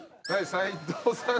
斎藤さん。